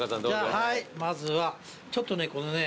はいまずはちょっとねこのね